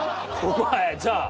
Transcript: おいじゃあ。